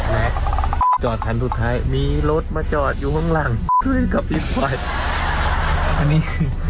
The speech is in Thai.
แน็คจอก่อนทางสุดท้ายมีรถมาจอดพังหลังก็ปิ๊บไหว